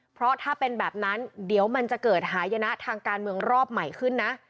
เพราะถ้าเป็นแบบนั้นเดี๋ยวมันจะเกิดหายนะทางการเมืองรอบใหม่ขึ้นนะ